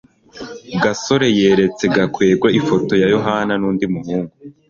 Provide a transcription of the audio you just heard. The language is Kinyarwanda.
gasore yeretse gakwego ifoto ya yohana nundi muhungu